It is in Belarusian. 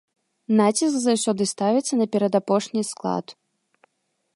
Націск заўсёды ставіцца на перадапошні склад.